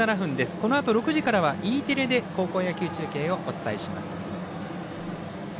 このあと６時からはＥテレで高校野球中継をお伝えします。